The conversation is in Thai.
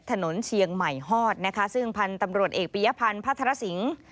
ถนนเชียงใหม่ฮอดนะคะซึ่งพันธุ์ตำรวจเอกปียพันธ์พัทรสิงศ์